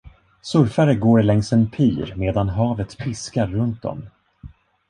Surfare går längs en pir medan havet piskar runt dem.